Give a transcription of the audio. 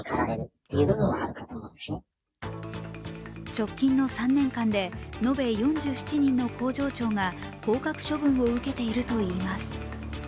直近の３年間で延べ４７人の工場長が降格処分を受けているといいます。